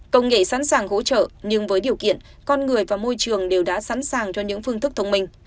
công nghệ sẵn sàng hỗ trợ nhưng với điều kiện con người và môi trường đều đã sẵn sàng cho những phương thức thông minh